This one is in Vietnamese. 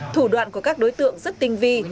thủ đoạn của các đối tượng rất tinh vi